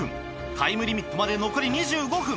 タイムリミットまで残り２５分。